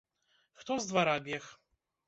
Хто з двара бег?